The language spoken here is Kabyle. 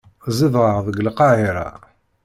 Zedɣeɣ deg Lqahira.